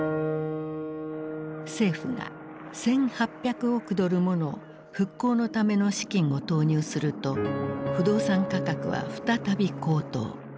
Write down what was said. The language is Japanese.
政府が１，８００億ドルもの復興のための資金を投入すると不動産価格は再び高騰。